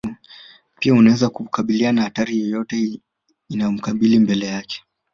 pia uweza kukabiliana na hatari yoyote inayomkabili mbele yake